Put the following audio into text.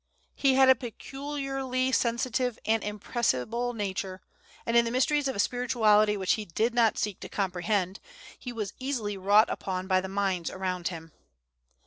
He had a peculiarly sensitive and impressible nature, and in the mysteries of a spirituality which he did not seek to comprehend, he was easily wrought upon by the minds around him.